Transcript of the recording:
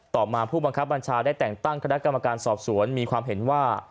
ต่อมาผู้บังคับบัญชาได้แต่งตั้งคณะกรรมการสอบสวนมีความเห็นว่า